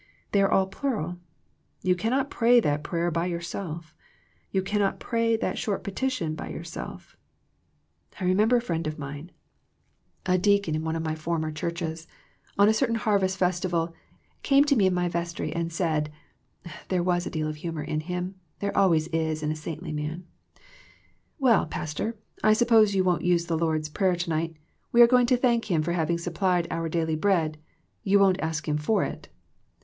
They are all plural. You cannot pray that prayer by yourself. You cannot pray that short petition by yourself. I remember a friend of mine, a deacon in one of 94 THE PEACTICE OF PEAYEE my former churches, on a certain Harvest Festival, came to me in my vestry and said — there was a deal of humour in him, there always is in saintly men, —" Well, Pastor, I suppose you won't use the Lord's Prayer to night. We are going to thank Him for having supplied our daily bread, you won't ask Him for it